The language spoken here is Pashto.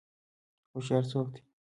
هوشیار څوک دی؟